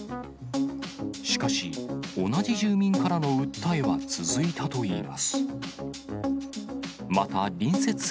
しかし、同じ住民からの訴えは続いたといいます。